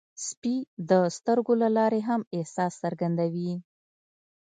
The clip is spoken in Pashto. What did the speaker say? سپي د سترګو له لارې هم احساس څرګندوي.